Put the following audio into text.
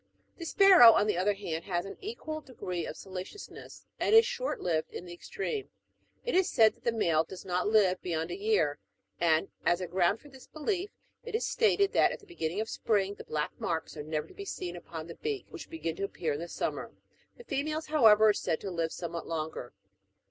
(36.) The sparrow, on the other hand, which has an equal degree of salaciousness, is short lived in the extreme. It is said that the male does not live beyond a year ; and as a ground for this belief, it is stated that at the beginning of spring, the black marks are never to be seen upon the beak which began to appear in the summer. The females, however, are said to live somewhat longer.